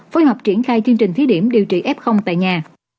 phối hợp triển khai chương trình thí điểm điều trị f tại nhà